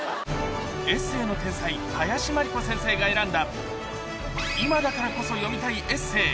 エッセーの天才、林真理子先生が選んだ、今だからこそ読みたいエッセー。